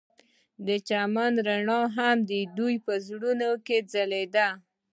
د چمن رڼا هم د دوی په زړونو کې ځلېده.